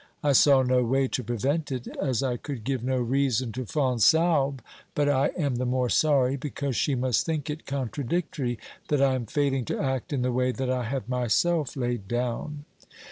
I saw no way to prevent it, as I could give no reason to Fonsalbe, but I am the more sorry, because she must think it contradictory that I am failing to act in the way that I have myself laid down.